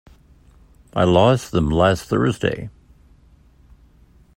I lost them last Thursday.